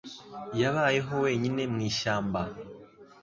Yabayeho wenyine mu ishyamba.